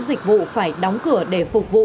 dịch vụ phải đóng cửa để phục vụ